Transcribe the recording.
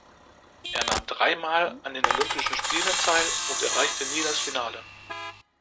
Er nahm dreimal an den Olympischen Spielen teil und erreichte nie das Finale.